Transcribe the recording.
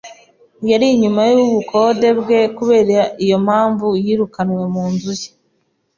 Yari inyuma yubukode bwe. Kubera iyo mpamvu, yirukanwe mu nzu ye.